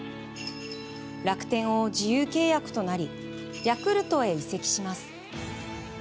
楽天を自由契約となりヤクルトへ移籍します。